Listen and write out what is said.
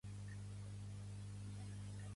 Josep Pagès Ortiz va ser un artista nascut a Girona.